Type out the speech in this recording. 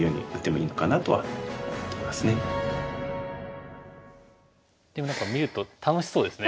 だったらでも何か見ると楽しそうですね。